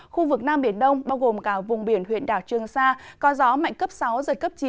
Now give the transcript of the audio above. khu vực nam biển đông bao gồm cả vùng biển huyện đảo trương sa có gió mạnh cấp sáu giật cấp chín